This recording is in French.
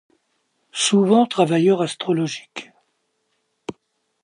Souvent travailleur astrologique.